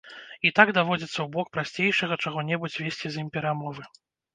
І так даводзіцца ў бок прасцейшага чаго-небудзь весці з ім перамовы.